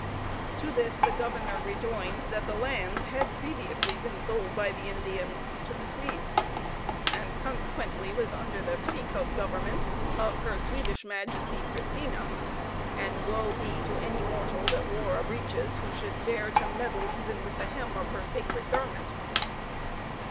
To this the governor rejoined that the land had previously been sold by the Indians to the Swedes, and consequently was under the petticoat government of her Swedish majesty, Christina; and woe be to any mortal that wore a breeches who should dare to meddle even with the hem of her sacred garment.